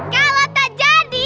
kalau tak jadi